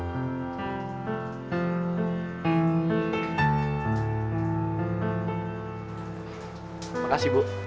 terima kasih bu